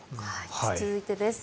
続いてです。